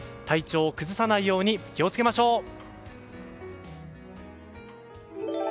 体調を崩さないように気を付けましょう！